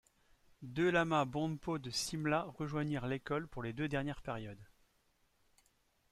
Deux lamas bonpo de Simla rejoignirent l'école pour les deux dernières périodes.